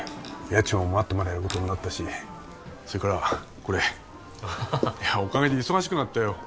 家賃も待ってもらえることになったしそれからこれおかげで忙しくなったよ